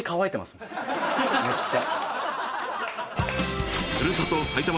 めっちゃ。